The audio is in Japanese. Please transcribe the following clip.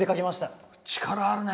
力があるね！